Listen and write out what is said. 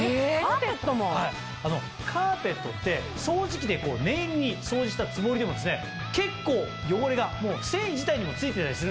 カーペットって掃除機で念入りに掃除したつもりでも結構汚れが繊維自体にも付いてたりするんですよね。